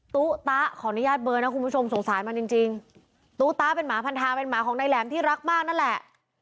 ตู้ตะขออนุญาตเบอร์นะคุณผู้ชมสงสารมันจริงจริงตู้ตะเป็นหมาพันธาเป็นหมาของนายแหลมที่รักมากนั่นแหละ